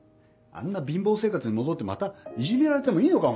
あんな貧乏生活に戻ってまたいじめられてもいいのか？